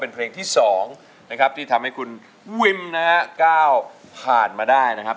เพลงนี้ครับแต่งโดยคุณวัสสุฮ่าวหานนั่นเองนะครับ